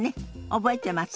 覚えてます？